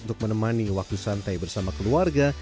untuk menemani waktu santai bersama keluarga